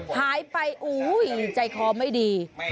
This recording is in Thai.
หายไปอุ้ยใจคอไม่ดี